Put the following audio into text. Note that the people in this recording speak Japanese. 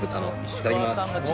いただきます。